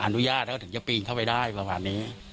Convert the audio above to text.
อนุญาตแล้วก็ถึงจะปีนเข้าไปได้ประมาณนี้